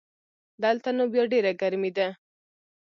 دلته نو بیا ډېره ګرمي ده